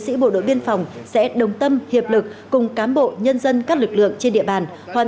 sĩ bộ đội biên phòng sẽ đồng tâm hiệp lực cùng cám bộ nhân dân các lực lượng trên địa bàn hoàn